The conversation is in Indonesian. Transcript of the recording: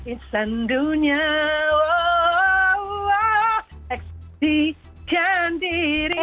istan dunia eksplikkan diri